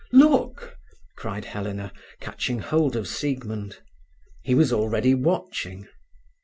"Look!" cried Helena, catching hold of Siegmund. He was already watching.